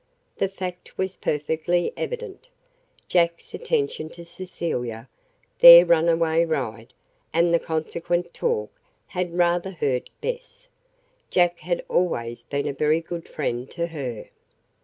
The fact was perfectly evident. Jack's attention to Cecilia, their runaway ride, and the consequent talk, had rather hurt Bess. Jack had always been a very good friend to her.